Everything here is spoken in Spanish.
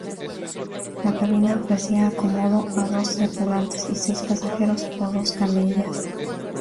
La cabina ofrecía acomodo a dos tripulantes y seis pasajeros o dos camillas.